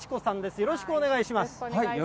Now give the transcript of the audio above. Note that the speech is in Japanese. よろしくお願いします。